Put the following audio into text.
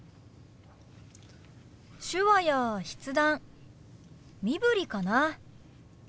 手話や筆談身振りかな。